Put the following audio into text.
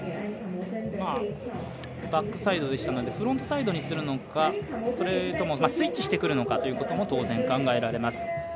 バックサイドでしたのでフロントサイドにするのかそれともスイッチしてくるのかというところも当然考えられます。